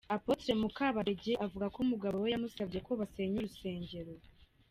Apôtre Mukabadege avuga ko umugabo we yamusabye ko basenya urusengero.